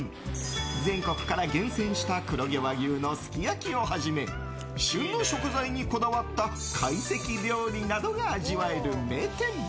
全国から厳選した黒毛和牛のすき焼きをはじめ旬の食材にこだわった懐石料理などが味わえる名店。